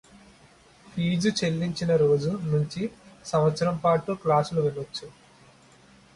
fee చెల్లించిన రోజు నుంచి సంవత్సరం పాటు క్లాసులు వినొచ్చు